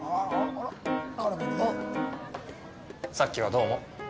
さっきはどうも。